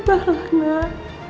berubah lah naya